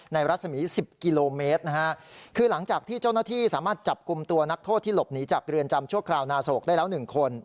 รัศมี๑๐กิโลเมตรนะฮะคือหลังจากที่เจ้าหน้าที่สามารถจับกลุ่มตัวนักโทษที่หลบหนีจากเรือนจำชั่วคราวนาโศกได้แล้ว๑คน